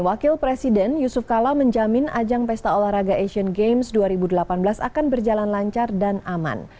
wakil presiden yusuf kala menjamin ajang pesta olahraga asian games dua ribu delapan belas akan berjalan lancar dan aman